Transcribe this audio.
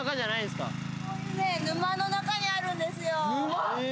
沼の中にあるんですよ。